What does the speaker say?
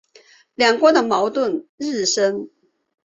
两国的矛盾日深。